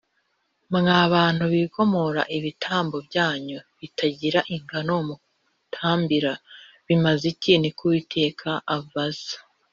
mwa bantu b’i gomora ibitambo byanyu bitagira ingano muntambira bimaze iki? ni ko uwiteka abaza